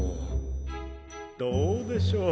どうでしょう